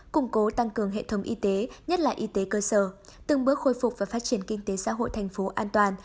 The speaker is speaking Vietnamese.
củng cố tăng cường hệ thống y tế nhất là y tế cơ sở từng bước khôi phục và phát triển kinh tế xã hội thành phố an toàn